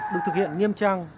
được thực hiện nghiêm trang